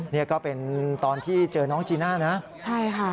นี่ก็เป็นตอนที่เจอน้องจีน่านะใช่ค่ะ